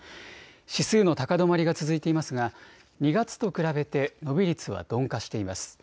指数の高止まりが続いていますが２月と比べて伸び率は鈍化しています。